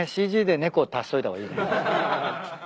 ＣＧで猫を足しといた方がいいね。